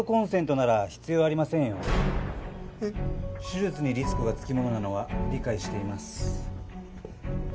手術にリスクが付きものなのは理解しています。